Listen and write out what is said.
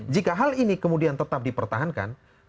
jika hal ini kemudian tetap dipertahankan